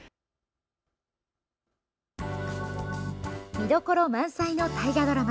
見どころ満載の大河ドラマ